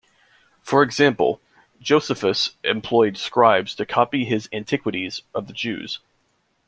For example, Josephus employed scribes to copy his Antiquities of the Jews.